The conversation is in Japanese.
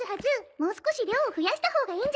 もう少し量を増やしたほうがいいんじゃない？